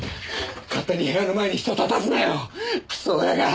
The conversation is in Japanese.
勝手に部屋の前に人立たすなよクソ親が！